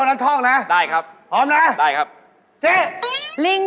เฮ่ยเฮ่ยเฮ่ย